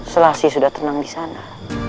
selasi sudah tenang disana